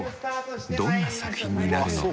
どんな作品になるのか。